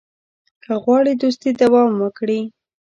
که غواړې دوستي دوام وکړي.